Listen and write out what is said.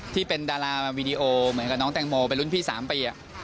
ที่เป็นดารามาวีดีโอเหมือนกับน้องแตงโมเป็นรุ่นพี่๓ปี